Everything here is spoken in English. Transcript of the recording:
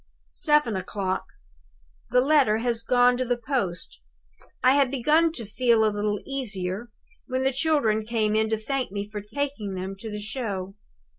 "Seven o'clock. The letter has gone to the post. I had begun to feel a little easier, when the children came in to thank me for taking them to the show.